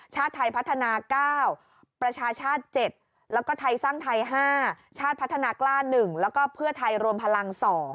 ชาติไทยพัฒนา๙ประชาชาติ๗แล้วก็ไทยสร้างไทย๕ชาติพัฒนากล้า๑แล้วก็เพื่อไทยรวมพลัง๒